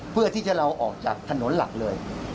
เพื่อที่จะเราออกจากถนนหลักเลย